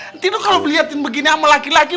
nanti lo kalo diliatin begini sama laki laki